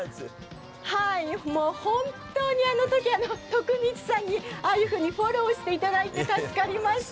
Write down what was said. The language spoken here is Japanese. もう本当にあのとき、徳光さんにああいうふうにフォローしていただいて助かりました。